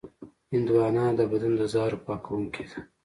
هندوانه د بدن د زهرو پاکوونکې ده.